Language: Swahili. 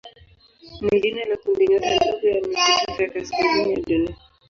ni jina la kundinyota ndogo ya nusutufe ya kaskazini ya Dunia.